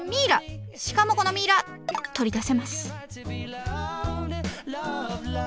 しかもこのミイラ取り出せます。